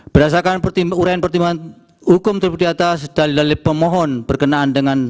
berdasarkan uraian pertimbangan hukum tersebut di atas dalil dalil pemohon berkenaan dengan